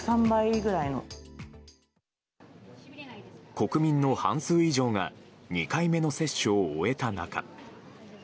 国民の半数以上が２回目の接種を終えた中。